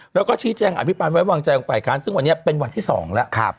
แล้วก็ชี้แจงอภิปันไว้วางใจของฝ่ายค้านซึ่งวันนี้เป็นวันที่๒แล้ว